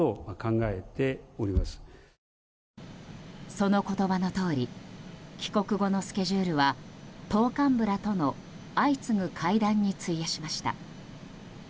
その言葉のとおり帰国後のスケジュールは党幹部らとの相次ぐ会談に費やしました。